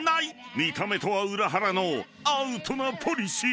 ［見た目とは裏腹のアウトなポリシーが］